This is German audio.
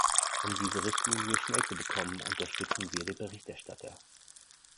Um diese Richtlinie schnell zu bekommen, unterstützen wir den Berichterstatter.